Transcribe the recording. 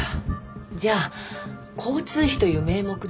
じゃあ交通費という名目で５万で。